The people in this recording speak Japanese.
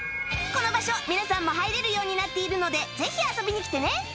この場所皆さんも入れるようになっているのでぜひ遊びに来てね！